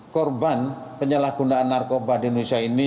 korban penyalahgunaan narkoba di indonesia ini